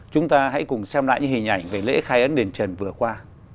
chúng ta hãy cùng xem lại những hình ảnh về lễ khai ấn đền trần vừa qua